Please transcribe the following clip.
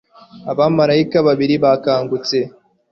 Abamarayika babiri bakangutse